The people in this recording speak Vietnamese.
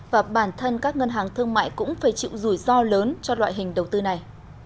và bản thân các ngân hàng thương mại cũng phải chịu rủi ro lớn cho loại hình đầu tư này